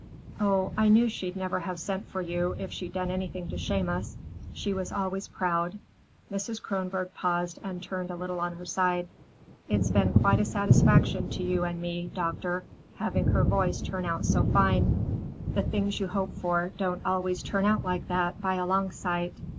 "Oh, I knew she'd never have sent for you if she'd done anything to shame us. She was always proud." Mrs. Kronborg paused and turned a little on her side. "It's been quite a satisfaction to you and me, doctor, having her voice turn out so fine. The things you hope for don't always turn out like that, by a long sight.